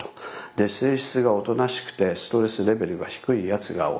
で性質がおとなしくてストレスレベルが低いやつが多いと。